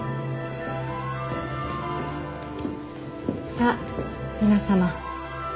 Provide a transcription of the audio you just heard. さあ皆様。